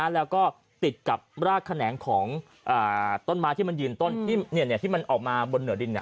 แล้วก็ติดกับรากแขนงของต้นไม้ที่มันยืนต้นที่มันออกมาบนเหนือดิน